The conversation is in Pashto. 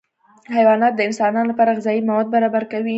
حیوانات د انسانانو لپاره غذایي مواد برابر کوي